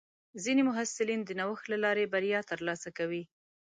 ځینې محصلین د نوښت له لارې بریا ترلاسه کوي.